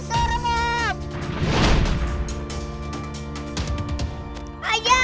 apa saran ya